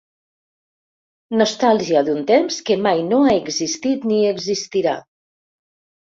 Nostàlgia d'un temps que mai no ha existit ni existirà.